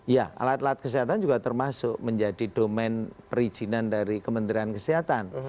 ya alat alat kesehatan juga termasuk menjadi domen perizinan dari kementerian kesehatan